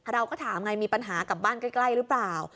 เราก็ถามไงมีปัญหากับบ้านใกล้หรือเปล่า